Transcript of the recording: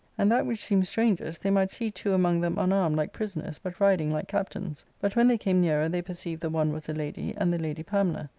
And that which seemed strangest, they might see two among them unarmed like pri soners, but riding like captains ; but when they came nearer they perceived the one was a lady, and the lady Pamela.